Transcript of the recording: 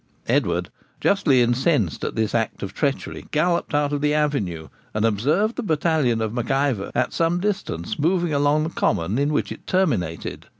Edward, justly incensed at this act of treachery, galloped out of the avenue, and observed the battalion of Mac Ivor at some distance moving along the common in which it terminated.